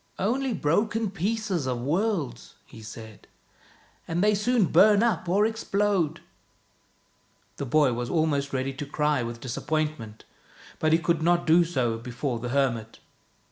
" Only broken pieces of worlds," he said, " and they soon bum up or explode." The boy was almost ready to cry with disappoint ment, but he would not do so before the hermit.